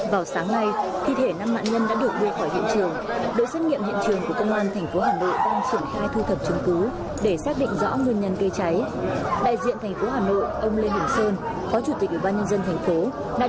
vào sáng nay thi thể năm mạng nhân đã được đuôi khỏi hiện trường